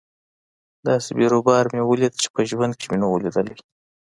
داسې بيروبار مې وليد چې په ژوند کښې مې نه و ليدلى.